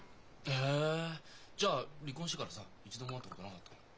へえじゃあ離婚してからさ一度も会ったことなかったの？